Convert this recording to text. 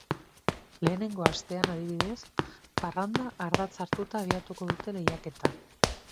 Lehenengo astean, adibidez, parranda ardatz hartuta abiatuko dute lehiaketa.